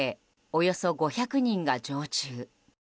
およそ５００人が常駐。